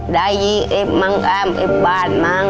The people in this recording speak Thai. ได้ยิบมั่งแค่มันปิดบ้านมั้ง